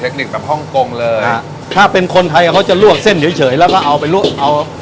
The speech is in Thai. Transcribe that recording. คนแบบฮ่องกงเลยฮะถ้าเป็นคนไทยเขาจะลวกเส้นเฉยเฉยแล้วก็เอาไปลวกเอา